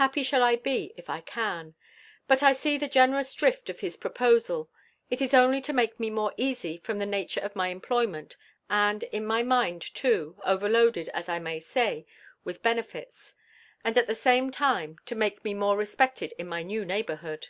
Happy shall I be, if I can! But I see the generous drift of his proposal; it is only to make me more easy from the nature of my employment, and, in my mind too, over loaded as I may say, with benefits; and at the same time to make me more respected in my new neighbourhood.